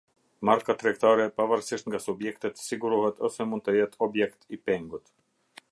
Marka tregtare pavarësisht nga subjektet, sigurohet ose mund të jetë objekt i pengut.